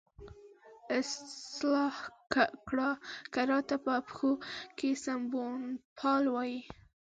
اصلاح ګرا ته په پښتو کې سمونپال وایي.